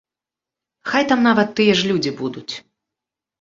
Хай там нават тыя ж людзі будуць.